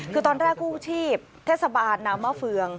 คือตอนแรกกู้ชีพเทศบาลน้ำมะเฟือง